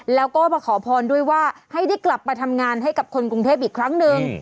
แล้วก็มาขอพรด้วยว่าให้ได้กลับมาทำงานให้กับคนกรุงเทพอีกครั้งหนึ่ง